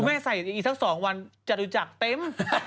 แม่ใส่อีกสัก๒วันจตุจักรเต็ม